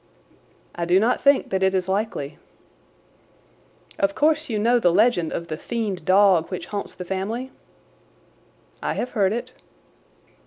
"I do not think that it is likely." "Of course you know the legend of the fiend dog which haunts the family?" "I have heard it."